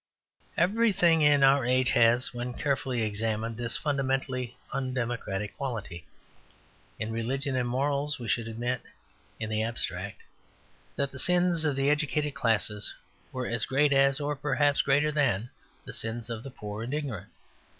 Everything in our age has, when carefully examined, this fundamentally undemocratic quality. In religion and morals we should admit, in the abstract, that the sins of the educated classes were as great as, or perhaps greater than, the sins of the poor and ignorant.